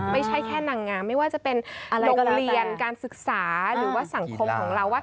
ไม่ใช่แค่นางงามไม่ว่าจะเป็นโรงเรียนการศึกษาหรือว่าสังคมของเราว่า